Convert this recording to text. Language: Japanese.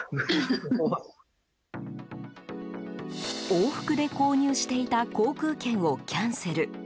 往復で購入していた航空券をキャンセル。